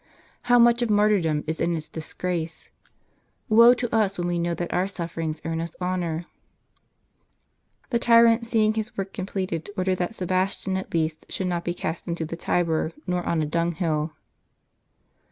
How much of martyrdom is in its disgrace ! Woe to us when we know that our sufferings earn us honor ! The tyrant, seeing his work completed, ordered that Sebastian at least should not be cast into the Tiber nor on a dunghill.